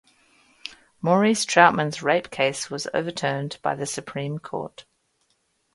Maurice Troutman's rape case was overturned by the Supreme Court.